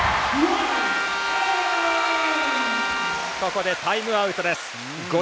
ここでタイムアウト。